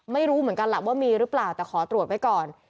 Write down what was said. ไม่รู้เหมือนกันแหละว่ามีหรือเปล่าแต่ขอตรวจไว้ก่อน